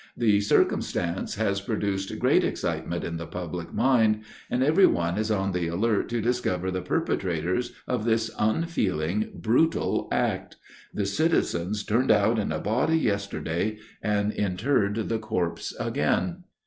The circumstance has produced great excitement in the public mind; and every one is on the alert to discover the perpetrators of this unfeeling, brutal act. _The citizens turned out in a body yesterday, and interred the corpse again!